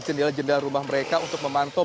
jendela jendela rumah mereka untuk memantau